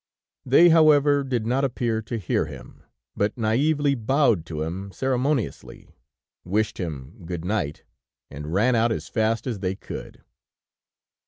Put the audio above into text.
They, however, did not appear to hear him, but naively bowed to him ceremoniously, wished him good night, and ran out as fast as they could.